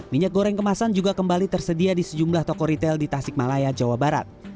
minyak goreng kemasan juga kembali tersedia di sejumlah toko retail di tasik malaya jawa barat